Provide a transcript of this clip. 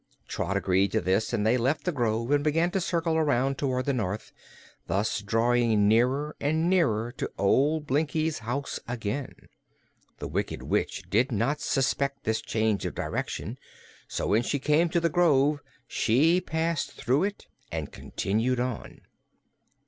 Trot agreed to this and they left the grove and began to circle around toward the north, thus drawing nearer and nearer to old Blinkie's house again. The Wicked Witch did not suspect this change of direction, so when she came to the grove she passed through it and continued on.